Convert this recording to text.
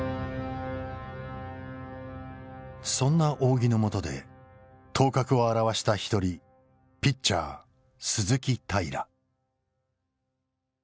そんな仰木のもとで頭角を現した一人ピッチャー鈴木平。